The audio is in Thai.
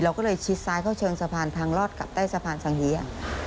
เราก็เลยชิดซ้ายเข้าเชิงสะพานทางรอดกลับใต้สะพานสังเยีย